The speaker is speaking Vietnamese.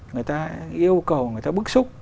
người ta yêu cầu người ta bức xúc